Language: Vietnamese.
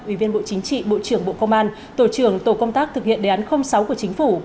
ủy viên bộ chính trị bộ trưởng bộ công an tổ trưởng tổ công tác thực hiện đề án sáu của chính phủ